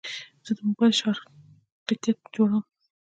زه د موبایل شارټکټ جوړوم.